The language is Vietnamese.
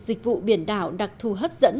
dịch vụ biển đảo đặc thù hấp dẫn